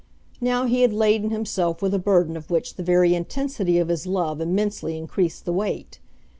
Now he had laden himself with a burden of which the very intensity of his love immensely increased the weight.